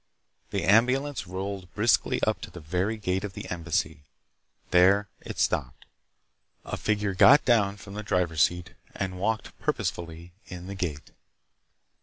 The ambulance rolled briskly up to the very gate of the Embassy. There it stopped. A figure got down from the driver's seat and walked purposefully in the gate.